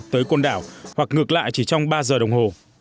tới côn đảo hoặc ngược lại chỉ trong ba giờ đồng hồ